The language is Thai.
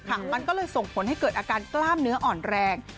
มันก็เลยส่งผลให้เกิดอาการกล้ามเนื้ออ่อนแรง